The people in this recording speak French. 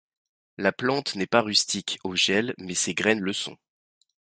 La plante n'est pas rustique au gel mais ses graines le sont.